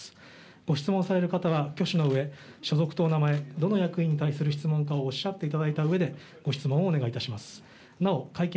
ご質問される方は挙手のうえ所属とお名前、どの役員に対する質問かをおっしゃっていただいたうえでご質問をお願いいたします。